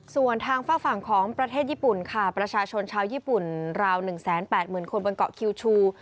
ส่วนทางฝากฝั่งของประเทศญี่ปุ่นค่ะประชาชนชาวญี่ปุ่นราว๑๘๐๐๐คนบนเกาะคิวชู